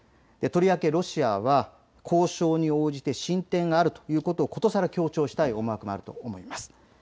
とりわけロシアは交渉に応じて進展があるということをことさら強調したい思惑もあると思います。